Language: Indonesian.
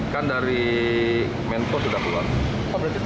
kan dari menko sudah keluar